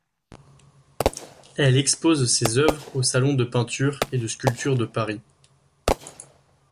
Elle expose ses œuvres au Salon de peinture et de sculpture de Paris.